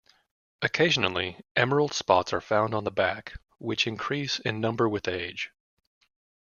Occasionally, emerald spots are found on the back, which increase in number with age.